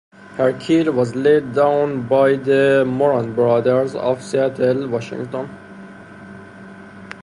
Her keel was laid down by the Moran Brothers of Seattle, Washington.